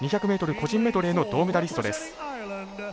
２００ｍ個人メドレーの銅メダリストです。